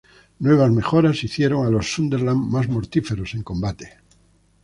Nuevas mejoras hicieron a los Sunderland más mortíferos en combate.